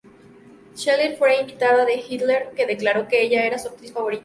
Schneider fue un invitada de Hitler, que declaró que ella era su actriz favorita.